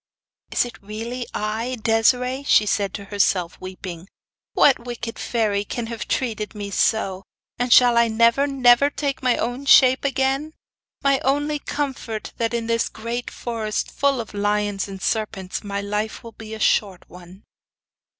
'Is it really, I, Desiree?' she said to herself, weeping. 'What wicked fairy can have treated me so; and shall I never, never take my own shape again? My only comfort that, in this great forest, full of lions and serpents, my life will be a short one.